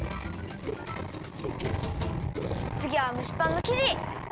つぎは蒸しパンのきじ！